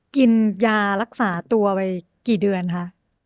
กินยารักษาตัวไปกี่เดือนคะ